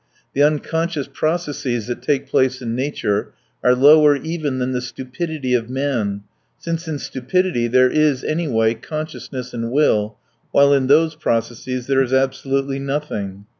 The unconscious processes that take place in nature are lower even than the stupidity of man, since in stupidity there is, anyway, consciousness and will, while in those processes there is absolutely nothing.